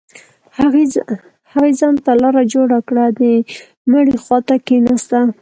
هغې ځان ته لاره جوړه كړه د مړي خوا ته كښېناسته.